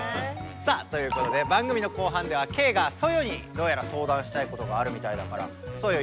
さあということで番組の後半ではケイがソヨにどうやら相談したいことがあるみたいだからソヨよろしくね！